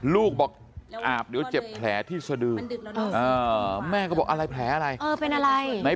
ลูกบอกอาบเดี๋ยวเจ็บแผลที่สะดือแม่ก็บอกอะไรแผลอะไรเออเป็นอะไร